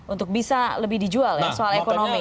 untuk bisa lebih dijual ya soal ekonomi